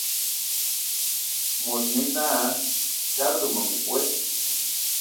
Mod nyé naa: "Dzalǝga ma nkwe !".